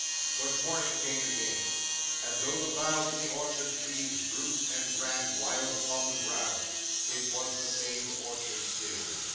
But, morning came again, and though the boughs of the orchard trees drooped and ran wild upon the ground, it was the same orchard still.